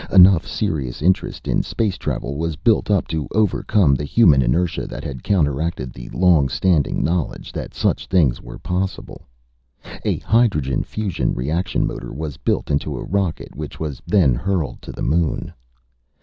Enough serious interest in space travel was built up to overcome the human inertia that had counteracted the long standing knowledge that such things were possible. A hydrogen fusion reaction motor was built into a rocket, which was then hurled to the moon.